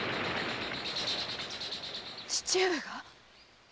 父上が？